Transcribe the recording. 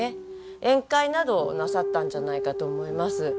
宴会などをなさったんじゃないかと思います。